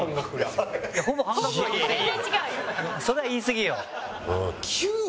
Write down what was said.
それは言いすぎよ。